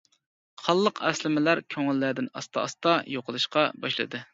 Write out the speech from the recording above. قانلىق ئەسلىمىلەر كۆڭۈللەردىن ئاستا-ئاستا يوقىلىشقا باشلىدى.